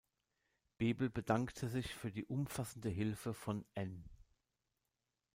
Bebel bedankte sich für die „umfassende Hilfe“ von „N.